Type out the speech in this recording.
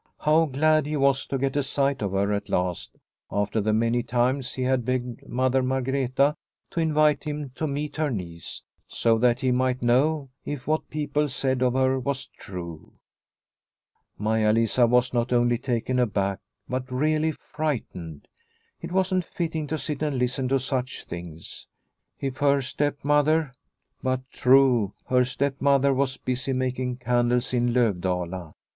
How glad he was to get a sight of her at last, after the many times he had begged Mother Margreta to invite him to meet her niece, so that he might know if what people said of her was true. Maia Lisa was not only taken aback, but really frightened. It wasn't fitting to sit and listen to such things. If her stepmother But true ! Her stepmother was busy making candles in Lovdala.